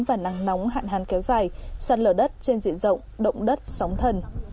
và nắng nóng hạn hán kéo dài sạt lở đất trên diện rộng động đất sóng thần